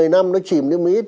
một mươi năm nó chìm đi một ít